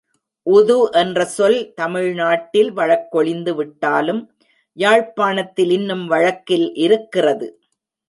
உது என்ற சொல் தமிழ்நாட்டில் வழக்கொழிந்துவிட்டாலும், யாழ்ப்பாணத்தில் இன்னும் வழக்கில் இருக்கிறது.